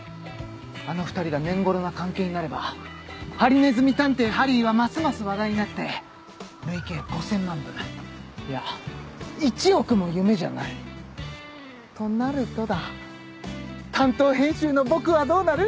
あの２人が懇ろな関係になれば『ハリネズミ探偵・ハリー』はますます話題になって累計５０００万部いや１億も夢じゃない！となるとだ担当編集の僕はどうなる？